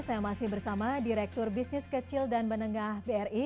saya masih bersama direktur bisnis kecil dan menengah bri